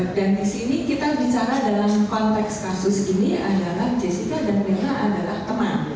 dan di sini kita bicara dalam konteks kasus ini adalah jessica dan mirna adalah teman